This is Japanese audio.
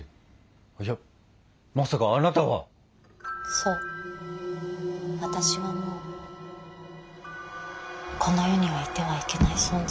そう私はもうこの世にはいてはいけない存在。